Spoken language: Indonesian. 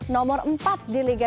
nomor empat di lingkungan